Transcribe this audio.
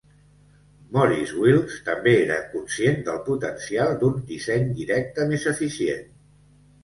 Maurice Wilks també era conscient del potencial d'un disseny directe més eficient.